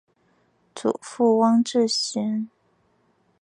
祖父汪志贤。